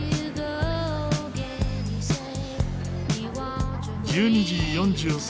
１２時４３分発